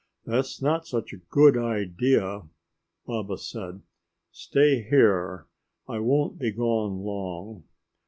"That's not such a good idea," Baba said. "Stay here. I won't be gone long."